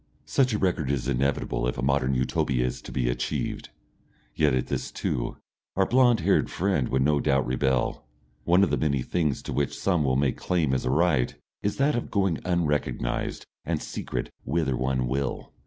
Such a record is inevitable if a Modern Utopia is to be achieved. Yet at this, too, our blond haired friend would no doubt rebel. One of the many things to which some will make claim as a right, is that of going unrecognised and secret whither one will.